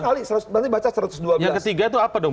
dua kali nanti baca satu ratus dua belas yang ketiga itu apa dong